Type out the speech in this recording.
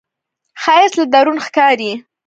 ښایست له درون ښکاري